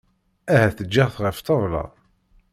Ahat ǧǧiɣ-t ɣef ṭṭabla.